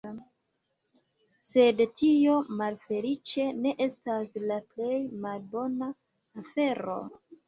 Sed tio, malfeliĉe, ne estas la plej malbona afero.